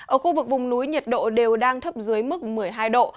ở khu vực vùng núi nhiệt độ đều đang thấp dưới mức một mươi hai độ